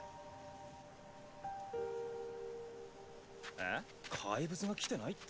えっ怪物が来てないって？